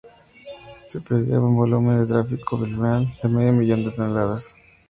Se preveía un volumen de tráfico fluvial de medio millón de toneladas.